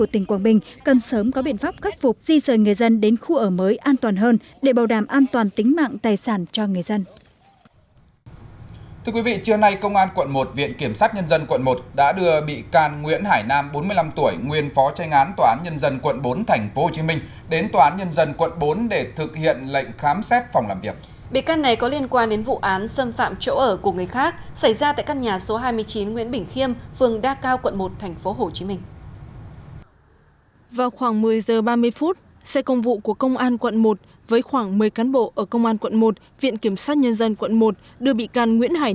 viện kiểm sát nhân dân quận một đưa bị can nguyễn hải nam đến tòa án nhân dân quận bốn